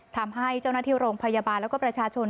ทำให้เจ้าหน้าที่โรงพยาบาลแล้วก็ประชาชน